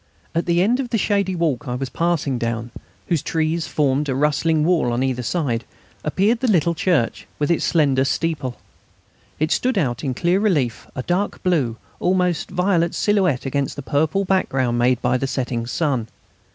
At the end of the shady walk I was passing down whose trees formed a rustling wall on either side appeared the little church, with its slender steeple. It stood out in clear relief, a dark blue, almost violet silhouette against the purple background made by the setting sun.